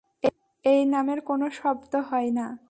এই নামের কোনো শব্দ হয় না।